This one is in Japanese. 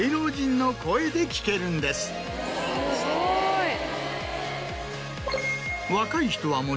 すごい！